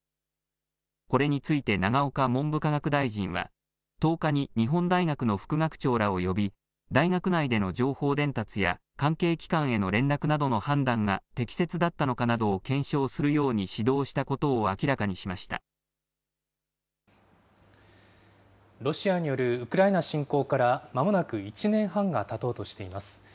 これについて永岡文部科学大臣は、１０日に日本大学の副学長らを呼び、大学内での情報伝達や関係機関への連絡などの判断が適切だったのかを検証するように指導したロシアによるウクライナ侵攻からまもなく１年半がたとうとしています。